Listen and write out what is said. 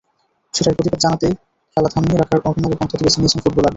সেটার প্রতিবাদ জানাতেই খেলা থামিয়ে রাখার অভিনব পন্থাটি বেছে নিয়েছেন ফুটবলাররা।